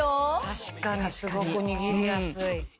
確かにすごく握りやすい。